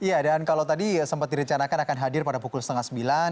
iya dan kalau tadi sempat direncanakan akan hadir pada pukul setengah sembilan